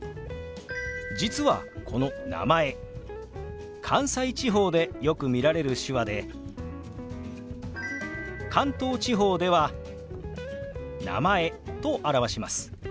実はこの「名前」関西地方でよく見られる手話で関東地方では「名前」と表します。